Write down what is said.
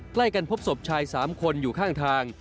ใกล้กันพบศพชาย๓คนอยู่ข้างทาง